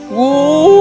dia hanya bersikap baik